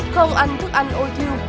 không ăn thức ăn ôi thiêu